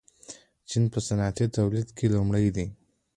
چین په صنعتي تولید کې لومړی دی.